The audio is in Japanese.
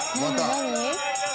何？